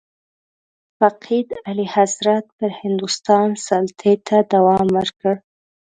فقید اعلیحضرت پر هندوستان سلطې ته دوام ورکړ.